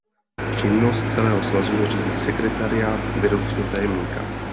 Činnost celého svazu řídí sekretariát vedoucího tajemníka.